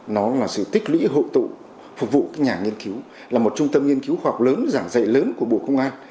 hộ tụ phục vụ nhà nghiên cứu là một trung tâm nghiên cứu khoa học lớn giảng dạy lớn của bộ công an